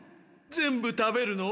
全部食べるの？